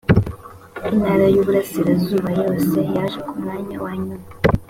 intara y’ uburasirazuba yose yaje ku mwanya wa nyuma